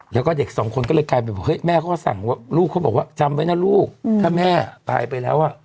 แล้วก็เด็กสองคนก็เลยกลายเป็นว่าเฮ้ยแม่เขาก็สั่งว่าลูกเขาบอกว่าจำไว้นะลูกถ้าแม่ตายไปแล้วอ่ะ